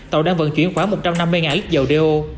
tàu đang vận chuyển khoảng một trăm năm mươi lít dầu đeo